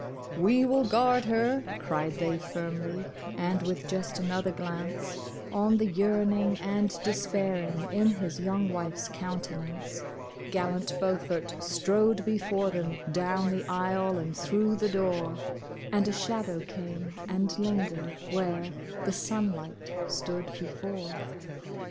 " We will guard her," cried they firmly ; and wiUi just another glance On the yearning and despairing in his young wife's countenance, Gallant Beaufort strode before them down the aisle and through the door, And a shadow came and lingered where the sunlight stood before.